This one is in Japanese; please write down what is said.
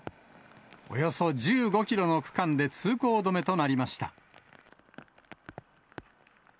およそ１５キロの区間で通行止めとなりました。